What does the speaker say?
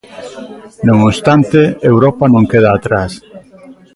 Non obstante, Europa non queda atrás.